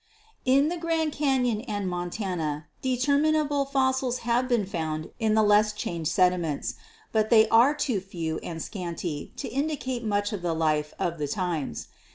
In the Grand Canon and Montana determinable fossils have been found in the less changed sediments, but they are too few and scanty to indicate much of the life of the times.